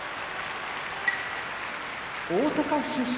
大阪府出身